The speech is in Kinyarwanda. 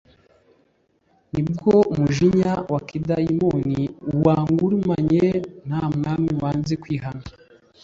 nibwo umujinya wa kidayimoni wagurumanye ntu mwami wanze kwihana,